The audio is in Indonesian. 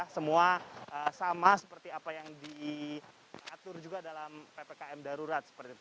semua sama seperti apa yang diatur juga dalam ppkm darurat